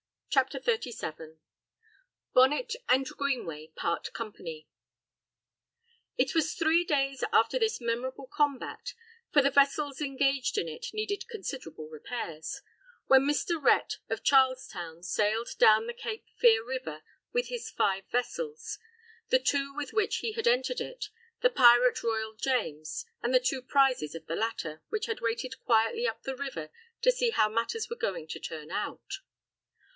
CHAPTER XXXVII BONNET AND GREENWAY PART COMPANY It was three days after this memorable combat for the vessels engaged in it needed considerable repairs when Mr. Rhett of Charles Town sailed down the Cape Fear River with his five vessels the two with which he had entered it, the pirate Royal James, and the two prizes of the latter, which had waited quietly up the river to see how matters were going to turn out.